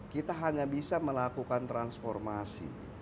kita hanya bisa melakukan transformasi